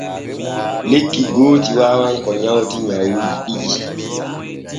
Lekki gooti waawan ko nywati nyawuuji ɗiɗi.